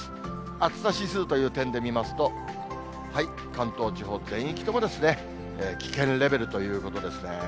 暑さ指数という点で見ますと、関東地方、全域とも危険レベルということですね。